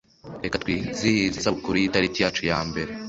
Reka twizihize isabukuru y'itariki yacu ya mbere.